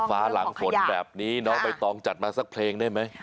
ฟ้าหลังฝนแบบนี้น้องใบตองจัดมาสักเพลงได้ไหม